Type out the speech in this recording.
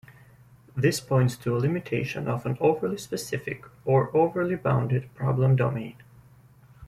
This points to a limitation of an overly specific, or overly bounded, problem domain.